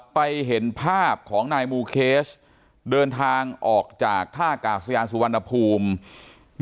เห็นภาพของนายมูเคสเดินทางออกจากท่ากาศยานสุวรรณภูมิ